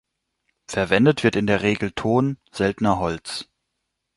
Verwendet wird in der Regel Ton, seltener Holz.